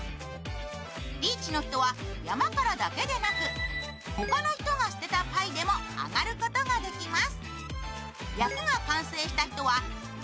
リーチの人は山からだけではなく他の人が捨てたパイでも上がることができます。